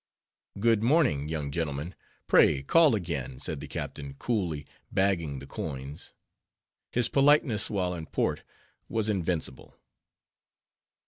"Good morning, young gentlemen; pray, call again," said the captain, coolly bagging the coins. His politeness, while in port, was invincible.